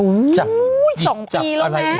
อู้ย๒ปีแล้วแม่